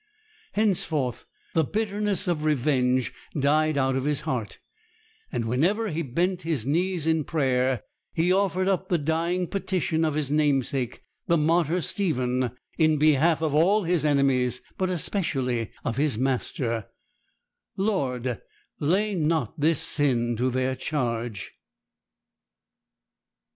Henceforth the bitterness of revenge died out of his heart; and whenever he bent his knees in prayer, he offered up the dying petition of his namesake, the martyr Stephen, in behalf of all his enemies, but especially of his master: 'Lord, lay not this sin to their charge.'